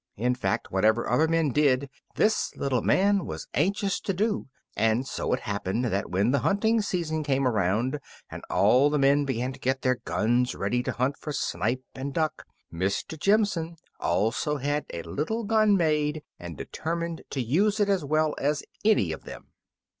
In fact, whatever other men did this little man was anxious to do also, and so it happened that when the hunting season came around, and all the men began to get their guns ready to hunt for snipe and duck, Mr. Jimson also had a little gun made, and determined to use it as well as any of them.